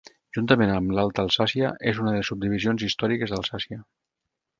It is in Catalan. Juntament amb l'Alta Alsàcia és una de les subdivisions històriques d'Alsàcia.